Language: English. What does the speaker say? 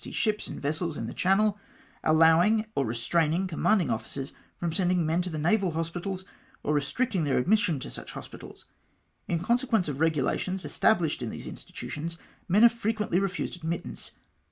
's ships and vessels in the Channel, allowing or restraining commanding officers from sending men to the naval hospitals, or restricting their admission to such hos pitals." In consequence of regulations established in these institutions, men are frequently refused admittance.